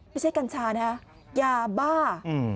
ไม่ใช่กัญชานะยาบ้า